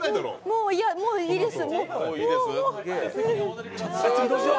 もうイヤ、もういいです。